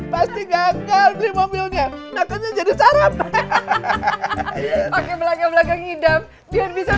pasti gagal mobilnya jadi sarap belakang hidup bisa